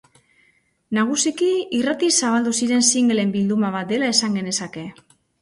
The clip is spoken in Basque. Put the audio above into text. Nagusiki, irratiz zabaldu ziren singelen bilduma bat dela esan genezake.